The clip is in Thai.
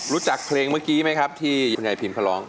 รู้จักเพลงเมื่อกี้ไหมครับที่คุณยายพิมเขาร้อง